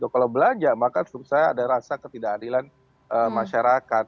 kalau belanja maka saya ada rasa ketidakadilan masyarakat